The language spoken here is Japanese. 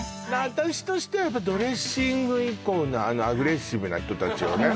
私としてはやっぱドレッシング以降のあのアグレッシブな人達をね